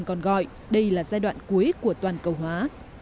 còn gọi đây là giai đoạn cuối của toàn cầu hóa